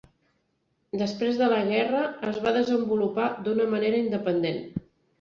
Després de la guerra, es va desenvolupar d'una manera independent.